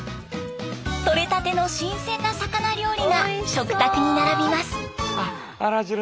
取れたての新鮮な魚料理が食卓に並びます。